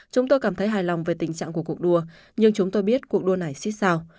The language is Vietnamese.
chúng tôi cảm thấy hài lòng về tình trạng của cuộc đua nhưng chúng tôi biết cuộc đua này xích sao